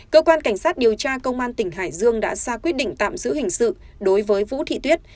cơ quan cảnh sát điều tra công an tỉnh hải dương đã ra quyết định tạm giữ hình sự đối với vũ thị tuyết